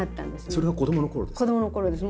それは子どものころですか？